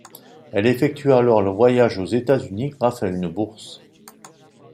Elle effectue alors le voyage aux États-Unis grâce à une bourse.